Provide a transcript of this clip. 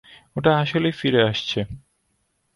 ওটা আসলেই ফিরে আসছে!